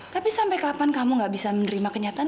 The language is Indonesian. tapi sampai kapan kamu gak bisa menerima kenyataan